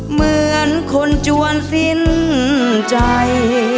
เหมือนคนจวนสิ้นใจ